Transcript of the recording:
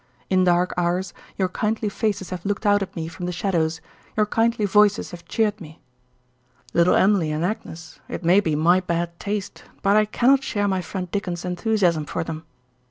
In dark hours your kindly faces have looked out at me from the shadows, your kindly voices have cheered me. Little Em'ly and Agnes, it may be my bad taste, but I cannot share my friend Dickens' enthusiasm for them.